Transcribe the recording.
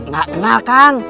gak kenal kan